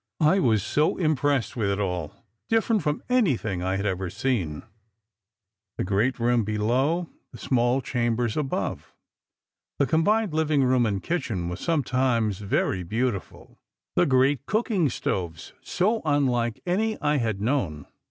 I was so impressed with it all—different from anything I had ever seen:—the great room below, the small chambers above. The combined living room and kitchen was sometimes very beautiful. The great cooking stoves so unlike any I had known.